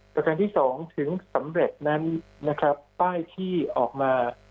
ประกันที่สองถึงสำเร็จนั้นป้ายที่ออกมา